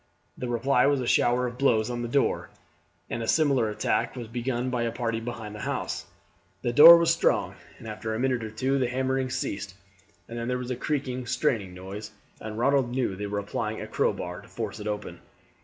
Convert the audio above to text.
The reply was a shower of blows on the door, and a similar attack was begun by a party behind the house. The door was strong, and after a minute or two the hammering ceased, and then there was a creaking, straining noise, and Ronald knew they were applying a crowbar to force it open.